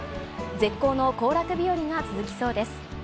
絶好の行楽日和が続きそうです。